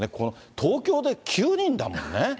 東京で９人だもんね。